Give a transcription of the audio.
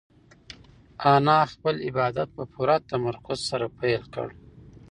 انا خپل عبادت په پوره تمرکز سره پیل کړ.